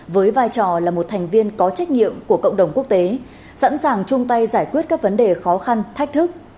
với vai trò là một thành viên có trách nhiệm của cộng đồng quốc tế sẵn sàng chung tay giải quyết các vấn đề khó khăn thách thức